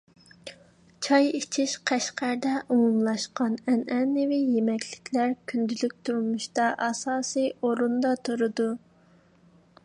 چاي ئىچىش قەشقەردە ئومۇملاشقان. ئەنئەنىۋى يېمەكلىكلەر كۈندىلىك تۇرمۇشتا ئاساسىي ئورۇندا تۇرىدۇ.